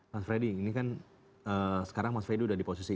mas freddy ini kan sekarang mas freddy sudah diposisi